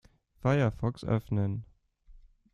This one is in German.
Firefox öffnen.